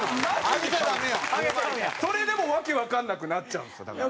それでもう訳わかんなくなっちゃうんですよだから。